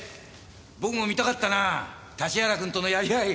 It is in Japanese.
僕も見たかったなぁ立原くんとのやり合い。